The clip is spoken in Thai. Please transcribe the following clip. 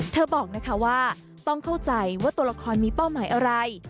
บอกนะคะว่าต้องเข้าใจว่าตัวละครมีเป้าหมายอะไร